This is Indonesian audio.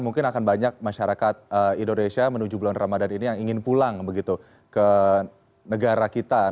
mungkin akan banyak masyarakat indonesia menuju bulan ramadan ini yang ingin pulang begitu ke negara kita